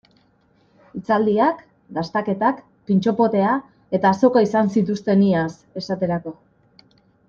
Hitzaldiak, dastaketak, pintxo potea eta azoka izan zituzten iaz, esaterako.